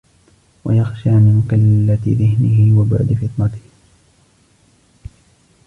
وَيَخْشَى مِنْ قِلَّةِ ذِهْنِهِ وَبُعْدِ فِطْنَتِهِ